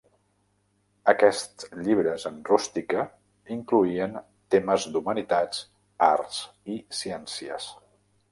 Aquests llibres en rústica incloïen temes d'humanitats, arts i ciències.